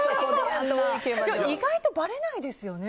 意外とばれないですよね。